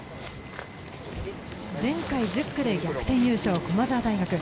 前回１０区で逆転優勝、駒澤大学。